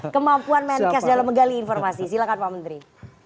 kemampuan menkes dalam menggali informasi silahkan pak menteri